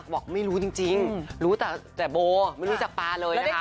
บอกไม่รู้จริงรู้แต่โบไม่รู้จักปลาเลยนะคะ